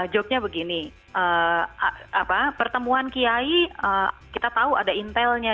joke nya begini pertemuan kiai kita tahu ada intelnya